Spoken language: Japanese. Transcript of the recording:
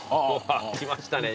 きましたね